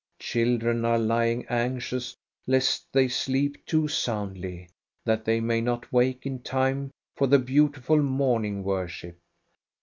^ Children are lying anxious lest they sleep too soundly, that they may not wake in time for the beautiful morning worship.